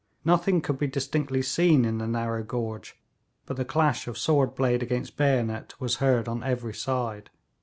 Nothing could be distinctly seen in the narrow gorge, but the clash of sword blade against bayonet was heard on every side.